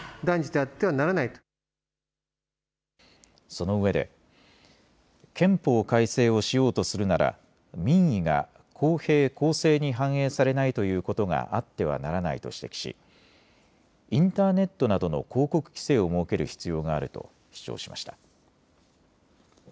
そのうえで、憲法改正をしようとするなら民意が公平・公正に反映されないということがあってはならないと指摘し、インターネットなどの広告規制を設ける必要があると主張しました。